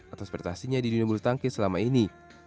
atas prestasinya di dunia bulu tangkis selama ini